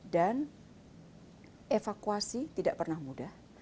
dan evakuasi tidak pernah mudah